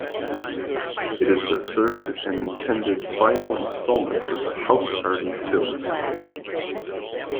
It is the third and intended final installment of the "House Party" film series.